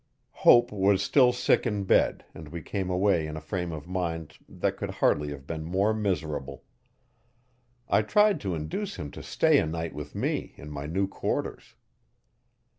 Hope was still sick in bed and we came away in a frame of mind that could hardly have been more miserable. I tried to induce him to stay a night with me in my new quarters.